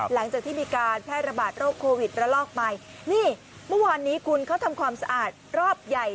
หลังจากที่มีการแพร่ระบาดโรคโควิดระลอกใหม่นี่เมื่อวานนี้คุณเขาทำความสะอาดรอบใหญ่